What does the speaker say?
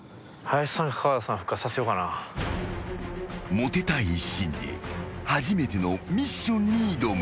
［モテたい一心で初めてのミッションに挑む］